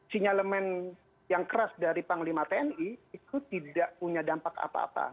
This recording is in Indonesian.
sinyalemen yang keras dari panglima tni itu tidak punya dampak apa apa